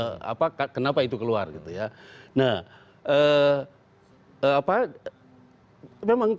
nah apa memang tercermin bahwa di dalam peradilan kita harus memiliki kemampuan untuk memperbaiki kemampuan